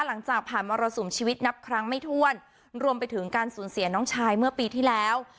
หลังจากผ่านมรสุมชีวิตนับครั้งไม่ถ้วนรวมไปถึงการสูญเสียน้องชายเมื่อปีที่แล้ว